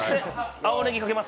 青ねぎをかけます。